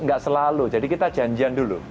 enggak selalu jadi kita janjian dulu